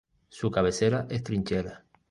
Su cabecera es Trinchera.